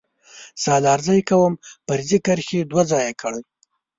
سلارزی قوم فرضي کرښې دوه ځايه کړي